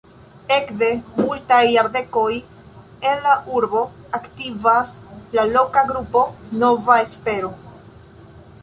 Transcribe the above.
Ekde multaj jardekoj en la urbo aktivas la loka grupo "Nova Espero".